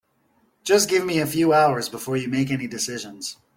Just give me a few hours before you make any decisions.